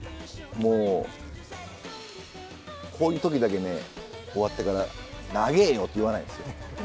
もうこういう時だけね終わってから「長えよ！」って言わないんですよ。